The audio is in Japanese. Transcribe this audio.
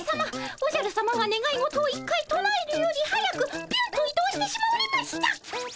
おじゃるさまがねがい事を１回となえるより速くビュンと移動してしまわれましたっ。